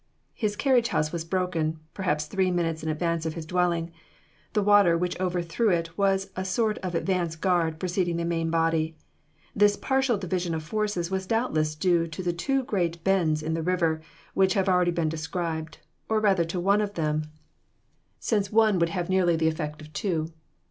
His carriage house was broken, perhaps three minutes in advance of his dwelling. The water which overthrew it was a sort of advance guard preceding the main body. This partial division of forces was doubtless due to the two great bends in the river, which have already been described, or rather to one of them, since one would have nearly the effect of two.